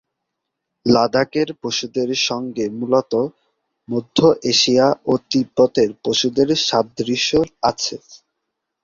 লাদাখের পশুদের সঙ্গে মূলতঃ মধ্য এশিয়া ও তিব্বতের পশুদের সাদৃশ্য আছে।